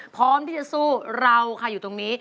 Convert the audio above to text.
พร้อมที่จะสู้เราค่ะอยู่ตรงนี้